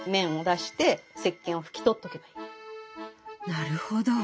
なるほど。